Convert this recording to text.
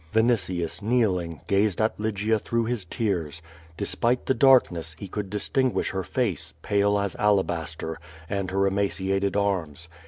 Vinitius, kneeling, gazed at Lygia through his tears. De spite the darkness, he could distinguish her face, pale as ala baster^ and her emaciated arms.